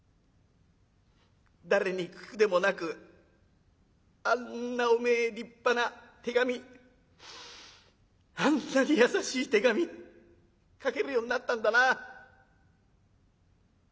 誰に聞くでもなくあんなおめえ立派な手紙あんなに優しい手紙書けるようになったんだな。